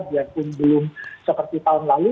dan pun belum seperti tahun lalu